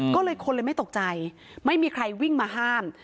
ก็เลยคนเลยไม่ตกใจไม่มีใครวิ่งมาห้าม